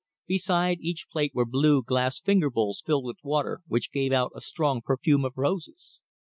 Beside each plate were blue glass finger bowls filled with water which gave out a strong perfume of roses.